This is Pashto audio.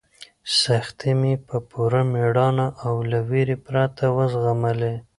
سختۍ مې په پوره مېړانه او له وېرې پرته وزغملې.